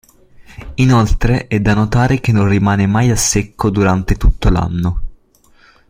Inoltre è da notare che non rimane mai a secco durante tutto l'anno.